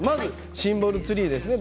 シンボルツリーですね。